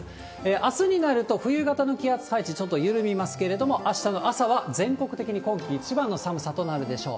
あすになると、冬型の気圧配置ちょっと緩みますけれども、あしたの朝は全国的に今季一番の寒さとなるでしょう。